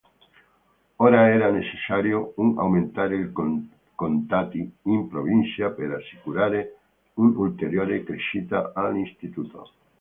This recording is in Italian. Ora era necessario un aumentare i contatti in provincia per assicurare un'ulteriore crescita all'istituto.